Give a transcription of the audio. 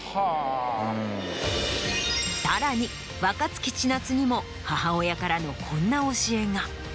さらに若槻千夏にも母親からのこんな教えが。